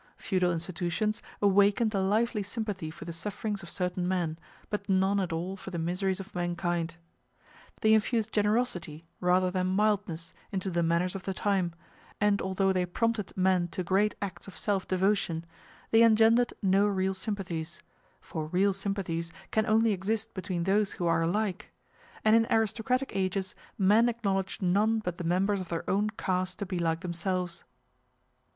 Feudal institutions awakened a lively sympathy for the sufferings of certain men, but none at all for the miseries of mankind. They infused generosity rather than mildness into the manners of the time, and although they prompted men to great acts of self devotion, they engendered no real sympathies; for real sympathies can only exist between those who are alike; and in aristocratic ages men acknowledge none but the members of their own caste to be like themselves.